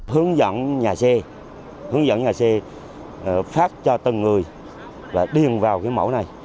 hướng dẫn nhà xe phát cho từng người và điền vào cái mẫu này